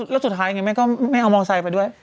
แล้วสุดท้ายยังไงไม่เอามอเตอร์ไซค์ไปด้วย